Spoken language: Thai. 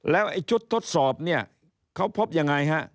แล้วไอ้ชุดทดสอบเนี่ยเขาพบยังไงฮะ